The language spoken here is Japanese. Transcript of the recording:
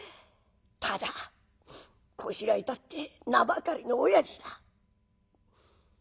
ただこしらえたって名ばかりの親父だ。